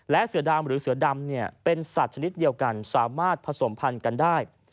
และเสือดำหรือเสือดำเป็นสัตว์ชนิดเดียวกันสามารถผสมพันธุ์กันได้